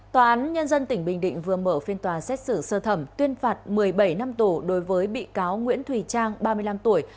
tòa án nhân dân tỉnh bình định vừa mở phiên tòa xét xử sơ thẩm tuyên phạt một mươi bảy năm tù đối với bị cáo nguyễn thùy trang ba mươi năm tuổi